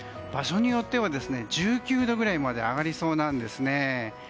場所によっては１９度ぐらいまで上がりそうなんですね。